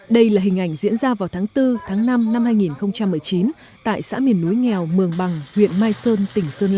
đây là hình ảnh diễn ra vào tháng bốn tháng năm năm hai nghìn một mươi chín tại xã miền núi nghèo mường bằng huyện mai sơn tỉnh sơn la